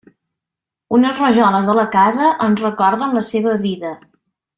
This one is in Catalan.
Unes rajoles de la casa ens recorden la seva vida.